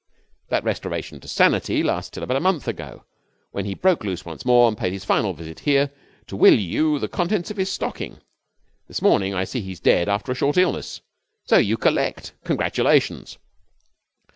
That restoration to sanity lasted till about a month ago, when he broke loose once more and paid his final visit here to will you the contents of his stocking. This morning I see he's dead after a short illness, so you collect. Congratulations!'